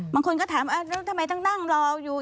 บางคนก็ถามแล้วทำไมต้องนั่งรออยู่